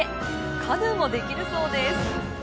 カヌーもできるそうです。